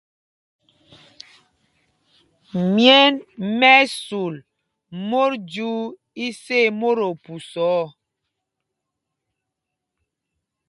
Myɛ̂n mɛ́ ɛ́ sul mot jyuu isá í mot ophusa ɔ.